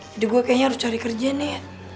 jadi gue kayaknya harus cari kerja nek